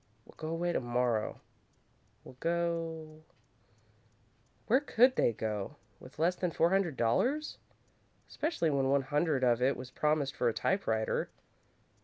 We'll go away to morrow, we'll go " Where could they go, with less than four hundred dollars? Especially when one hundred of it was promised for a typewriter?